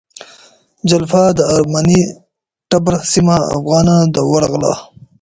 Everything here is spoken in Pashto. جلفا د ارمني ټبر سیمه افغانانو ته ورغله.